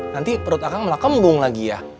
nanti perut aku malah kembung lagi ya